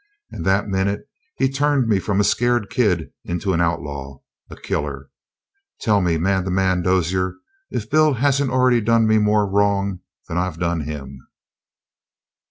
And that minute he turned me from a scared kid into an outlaw a killer. Tell me, man to man, Dozier, if Bill hasn't already done me more wrong than I've done him!"